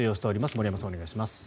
森山さん、お願いします。